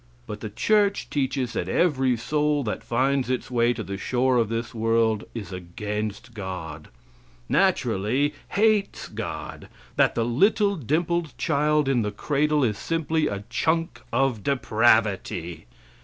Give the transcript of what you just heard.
But the church teaches that every soul that finds its way to the shore of this world is against God naturally hates God; that the little dimpled child in the cradle is simply a chunk of depravity.